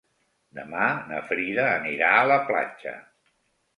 Demà na Frida anirà a la platja.